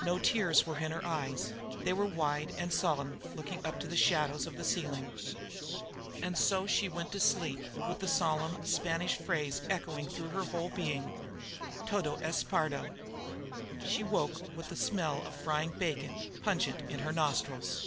No tears were in her eyes; they were wide and solemn, looking up to the shadows of the ceiling, and so she went to sleep with the solemn Spanish phrase echoing through her whole being: "Todo es perdo!" She woke with the smell of frying bacon pungent in her nostrils.